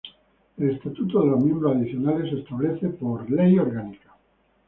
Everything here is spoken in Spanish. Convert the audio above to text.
El estatuto de los miembros adicionales se establece por ley orgánica.